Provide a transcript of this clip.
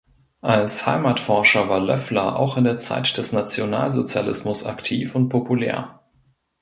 Als Heimatforscher war Löffler auch in der Zeit des Nationalsozialismus aktiv und populär.